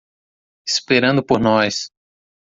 Esperando por nós